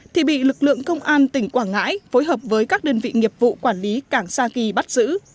thì bị lực lượng công an tỉnh quảng ngãi phối hợp với các đơn vị nghiệp vụ quản lý cảng sa kỳ bắt giữ